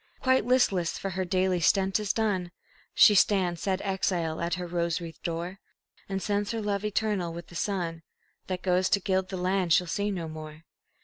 Quite listless, for her daily stent is done, She stands, sad exile, at her rose wreathed door, And sends her love eternal with the sun That goes to gild the land she'll see no more.